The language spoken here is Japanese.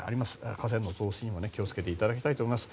河川の増水にも気を付けていただきたいと思います。